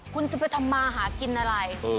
คุณจะไปทำมาหากินอะไร